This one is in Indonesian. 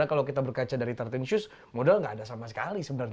kalau kita berkaca dari tiga belas shoes model nggak ada sama sekali sebenarnya